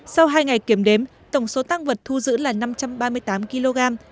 sau hai ngày kiểm đếm tổng số tăng vật thu giữ là năm trăm ba mươi tám kg